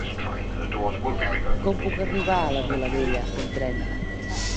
Com puc arribar a la Vilavella amb tren?